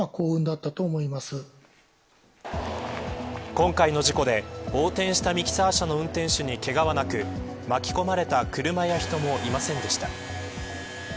今回の事故で、横転したミキサー車の運転手にけがはなく巻き込まれた車や人もいませんでした。